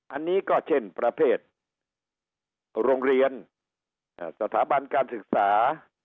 อันนี้ก็เช่นประเภทโรงเรียนสถาบันการศึกษา